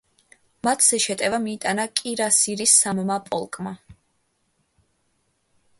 მათზე შეტევა მიიტანა კირასირის სამმა პოლკმა.